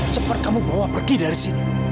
cepat kamu bawa pergi dari sini